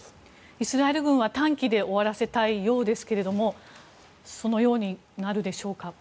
イスラエル軍は短期で終わらせたいようですがそのようになるでしょうか。